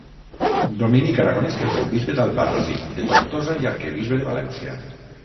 Dominic aragonés que fou bisbe d'Albarrasí, de Tortosa i arquebisbe de València.